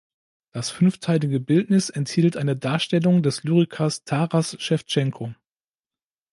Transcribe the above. Das fünfteilige Bildnis enthielt eine Darstellung des Lyrikers Taras Schewtschenko.